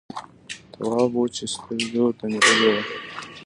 تواب وچې سترګې ورته نيولې وې…